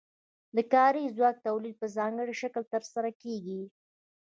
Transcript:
د کاري ځواک تولید په ځانګړي شکل ترسره کیږي.